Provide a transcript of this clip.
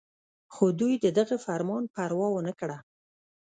خو دوي د دغه فرمان پروا اونکړه